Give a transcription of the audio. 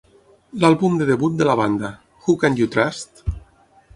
L'àlbum de debut de la banda, Who Can You Trust?